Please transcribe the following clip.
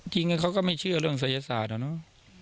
เขาก็ไม่เชื่อเรื่องศัยศาสตร์อะเนาะ